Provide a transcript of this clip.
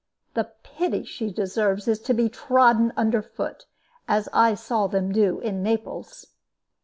The pity she deserves is to be trodden under foot, as I saw them do in Naples."